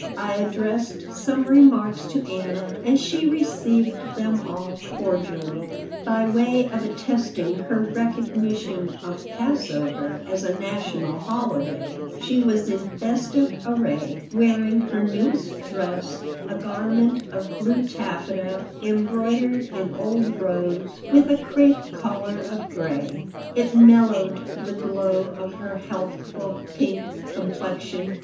I addressed some remarks to Anna, and she received them all cordially By way of attesting her recognition of Passover as a "national holiday" she was in festive array, wearing her newest dress, a garment of blue taffeta embroidered in old rose, with a crêpe collar of gray. It mellowed the glow of her healthful pink complexion.